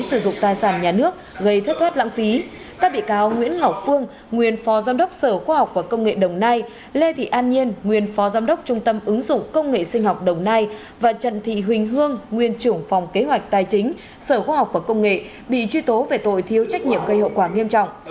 sử dụng tài sản nhà nước gây thất thoát lãng phí các bị cáo nguyễn ngọc phương nguyên phó giám đốc sở khoa học và công nghệ đồng nai lê thị an nhiên nguyên phó giám đốc trung tâm ứng dụng công nghệ sinh học đồng nai và trần thị huỳnh hương nguyên trưởng phòng kế hoạch tài chính sở khoa học và công nghệ bị truy tố về tội thiếu trách nhiệm gây hậu quả nghiêm trọng